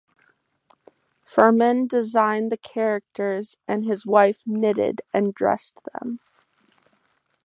Firmin designed the characters, and his wife knitted and "dressed" them.